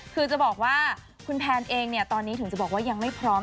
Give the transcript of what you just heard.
คือจะบอกว่าคุณแพนเองเนี่ยตอนนี้ถึงจะบอกว่ายังไม่พร้อม